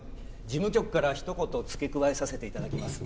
事務局からひと言付け加えさせて頂きます。